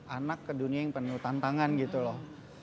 anak ke dunia yang penuh tantangan gitu loh